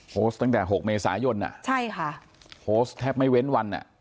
โพสต์ตั้งแต่๖เมษายนโพสต์แทบไม่เว้นวัน